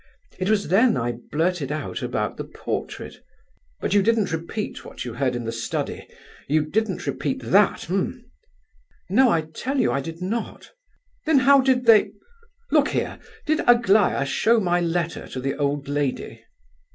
It was then I blurted out about the portrait—" "But you didn't repeat what you heard in the study? You didn't repeat that—eh?" "No, I tell you I did not." "Then how did they—look here! Did Aglaya show my letter to the old lady?"